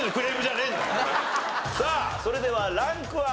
さあそれではランクは？